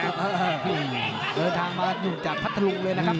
เออทางมาหรือจากพัตตลุงเลยนะครับ